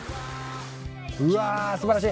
うわ素晴らしい！